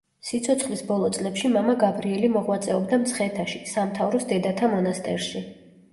სიცოცხლის ბოლო წლებში მამა გაბრიელი მოღვაწეობდა მცხეთაში, სამთავროს დედათა მონასტერში.